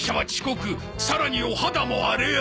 さらにお肌も荒れ荒れだ！